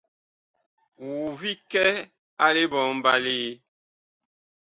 Wu vi kɛ a liɓombali ?